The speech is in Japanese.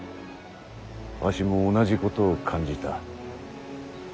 わしも同じことを感じた。